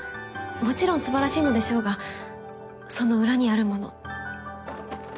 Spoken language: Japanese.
もちろんすばらしいのでしょうがその裏にあるもの。